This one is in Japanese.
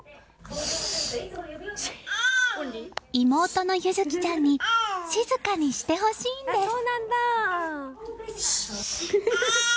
妹の結月ちゃんに静かにしてほしいんです。